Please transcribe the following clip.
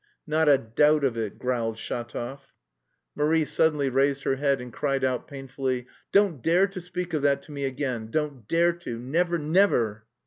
"Not a doubt of it," growled Shatov. Marie suddenly raised her head and cried out painfully: "Don't dare speak of that to me again, don't dare to, never, never!"